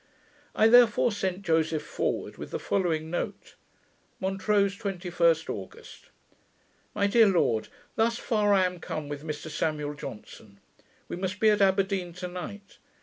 I therefore sent Joseph forward, with the following note. Montrose, 21 August. My dear Lord, Thus far I am come with Mr Samuel Johnson. We must be at Aberdeen to night.